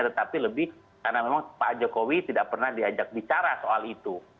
tetapi lebih karena memang pak jokowi tidak pernah diajak bicara soal itu